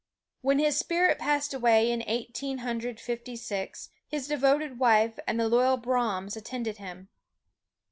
When his spirit passed away in Eighteen Hundred Fifty six, his devoted wife and the loyal Brahms attended him.